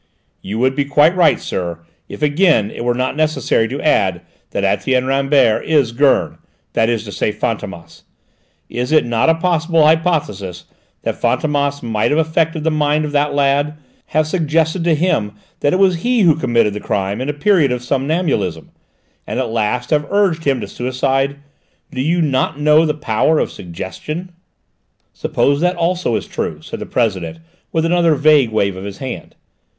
"You would be quite right, sir, if again it were not necessary to add that Etienne Rambert is Gurn that is to say, Fantômas! Is it not a possible hypothesis that Fantômas might have affected the mind of that lad: have suggested to him that it was he who committed the crime in a period of somnambulism: and at last have urged him to suicide? Do you not know the power of suggestion?" "Suppose that also is true," said the President with another vague wave of his hand.